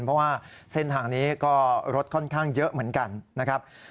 เพราะว่าเส้นทางนี้ก็รถค่อนข้างเยอะเหมือนกันนะครับ